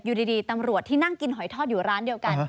อยู่ดีตำรวจที่นั่งกินหอยทอดอยู่ร้านเดียวกัน